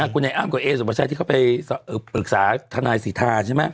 คุณให้อ้ามและเอสบัชชัยที่เข้าไปปรึกษาทนายศิษย์ธาใช่ไหม